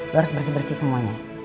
lo harus bersih bersih semuanya